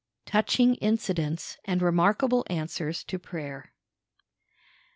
"_Touching Incidents and Remarkable Answers to Prayer."